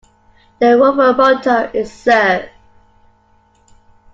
The Rover Motto is "Serve".